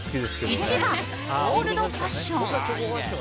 １、オールドファッション。